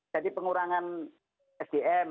jadi pengurangan sdm